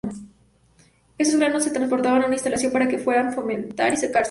Estos granos se transportan a una instalación para que puedan fermentar y secarse.